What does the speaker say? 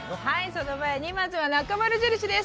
その前になかまる印です。